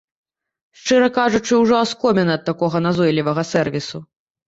Шчыра кажучы, ужо аскоміна ад такога назойлівага сэрвісу.